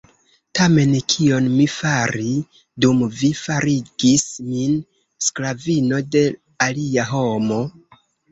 Tamen kion mi fari dum vi farigis min sklavino de alia homo?